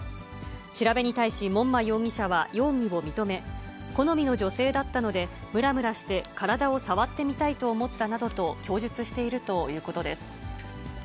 調べに対し、門馬容疑者は容疑を認め、好みの女性だったので、むらむらして、体を触ってみたいと思ったなどと供述しているということです。